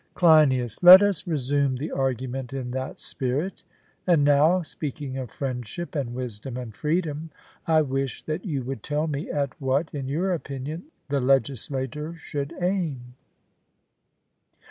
CLEINIAS: Let us resume the argument in that spirit. And now, speaking of friendship and wisdom and freedom, I wish that you would tell me at what, in your opinion, the legislator should aim.